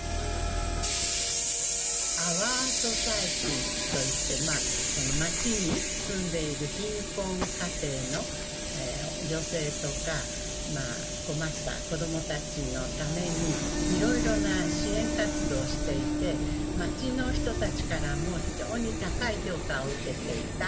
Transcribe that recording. アワー・ソサエティといって町に住んでいる貧困家庭の女性とか困った子どもたちのためにいろいろな支援活動をしていて町の人たちからも非常に高い評価を受けていた。